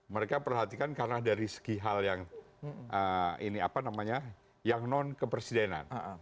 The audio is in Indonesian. mereka perhatikan karena dari segi hal yang non kepresidenan